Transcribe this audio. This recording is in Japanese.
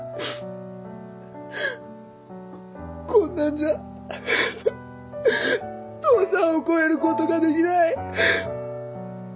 こんなんじゃ父さんを超えることができない。